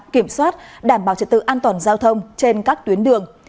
kiểm soát đảm bảo trật tự an toàn giao thông trên các tuyến đường